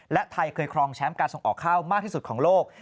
และไทยเคยครองแชมป์การส่งออกข้าวมากที่สุดของโลก